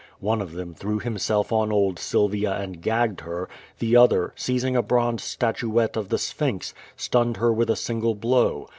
One of them threw himself on old Sylvia and gagged her; the other, seizing a bronze statuette of the Sphinx, stunned her with a single blow.